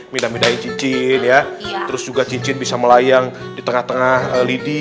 midah midahin cincin ya terus juga cincin bisa melayang di tengah tengah lidi